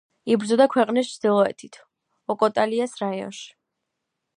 იბრძოდა ქვეყნის ჩრდილოეთით, ოკოტალიას რაიონში.